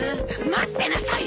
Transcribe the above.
待ってなさい！